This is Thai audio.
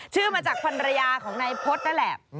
ชื่อมาจากภรรยาของนายพฤษนั่นแหละ